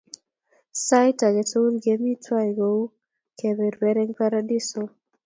Sait ake tukul kemi twai kou kepeper eng' paradiso.